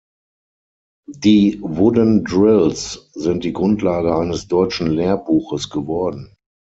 Die Wooden Drills sind die Grundlage eines deutschen Lehrbuches geworden.